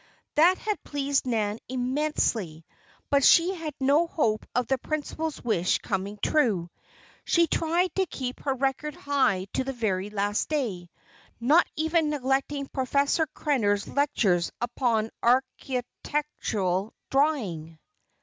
That had pleased Nan immensely; but she had no hope of the principal's wish coming true. She tried to keep her record high to the very last day, not even neglecting Professor Krenner's lectures upon architectural drawing.